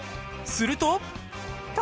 すると。